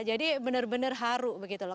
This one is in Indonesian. jadi benar benar haru begitu loh